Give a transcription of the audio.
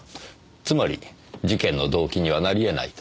つまり事件の動機にはなり得ないと？